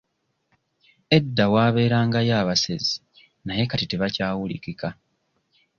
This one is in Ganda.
Edda waabeerangayo abasezi naye kati tebakyawulikika.